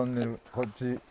こっち。